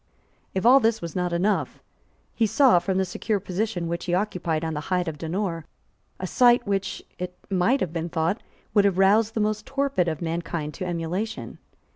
If all this was not enough, he saw, from the secure position which he occupied on the height of Donore, a sight which, it might have been thought, would have roused the most torpid of mankind to emulation.